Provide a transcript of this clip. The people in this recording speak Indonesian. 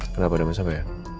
kenapa ada masalah ya